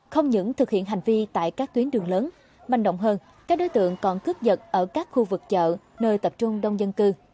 không những thực hiện hành vi tại các tuyến đường lớn manh động hơn các đối tượng còn cướp dật ở các khu vực chợ nơi tập trung đông dân cư